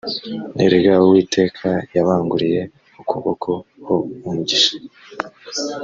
erega uwiteka yabanguriye ukuboko ho umugisha.